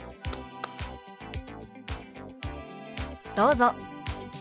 どうぞ。